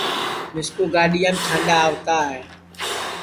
مِسکُو گاڈِِؔؔیام چھانڈؔ آوتی ہے